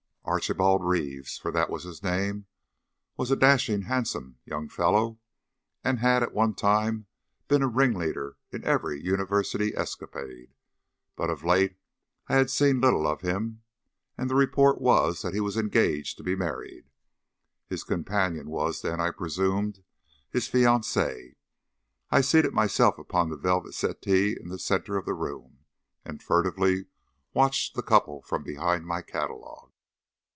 Archibald Reeves for that was his name was a dashing, handsome young fellow, and had at one time been a ringleader in every university escapade; but of late I had seen little of him, and the report was that he was engaged to be married. His companion was, then, I presumed, his fiancee. I seated myself upon the velvet settee in the centre of the room, and furtively watched the couple from behind my catalogue.